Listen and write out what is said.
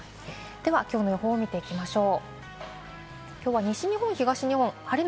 きょうの予報を見ていきましょう。